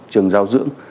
trường giáo dưỡng